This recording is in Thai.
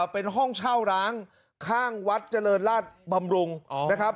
เป็นห้องเช่าร้างข้างวัดเจริญราชบำรุงนะครับ